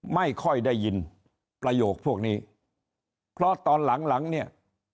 ไม่ค่อยได้ยินประโยคพวกนี้เพราะตอนหลังหลังเนี่ย